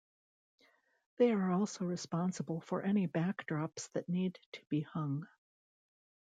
They are also responsible for any backdrops that need to be hung.